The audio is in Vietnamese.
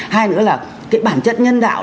hai nữa là cái bản chất nhân đạo